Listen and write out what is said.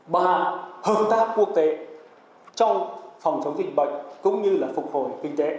ba hợp tác quốc tế trong phòng chống dịch bệnh cũng như là phục hồi kinh tế